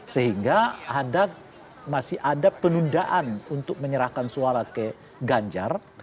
sehingga masih ada penundaan untuk menyerahkan suara ke ganjar